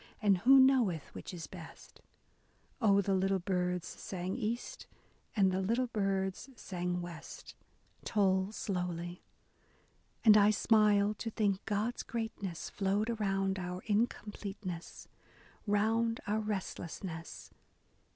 And who knoweth which is best ? Oh, the little birds sang east, and the little birds sang west, Toll slowly. And I smiled to think God's greatness flowed around our incompleteness, — Round our restlessness.